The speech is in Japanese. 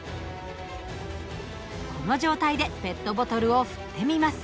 この状態でペットボトルを振ってみます。